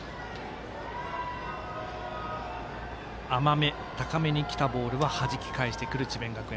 甘め、高めにきたボールははじき返してくる智弁学園。